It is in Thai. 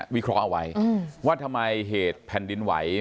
วิเคราะห์เอาไว้ว่าทำไมเหตุแผ่นดินไหว